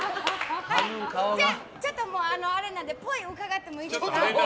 ちょっとあれなんでっぽい伺ってもいいですか。